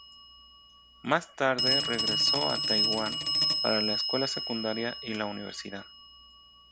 Más tarde regresó a Taiwan para la escuela secundaria y la universidad.